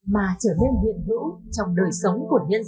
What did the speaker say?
mà trở nên hiện hữu trong đời sống của đất nước việt nam